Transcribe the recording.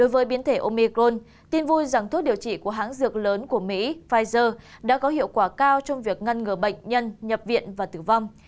với biến thể omicron tin vui rằng thuốc điều trị của hãng dược lớn của mỹ pfizer đã có hiệu quả cao trong việc ngăn ngừa bệnh nhân nhập viện và tử vong